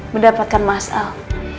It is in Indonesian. mendapatkan mas al